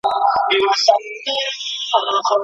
د کونړ تر یکه زاره نن جاله له کومه راوړو